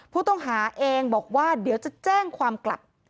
ผู้ต้องหาเองบอกว่าเดี๋ยวจะแจ้งความกลับ